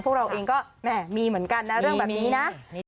พวกเราเองก็แหมมีเหมือนกันนะเรื่องแบบนี้นะ